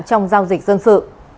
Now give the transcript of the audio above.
trong giao dịch dân sự